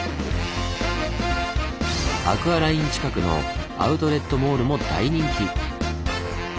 アクアライン近くのアウトレットモールも大人気。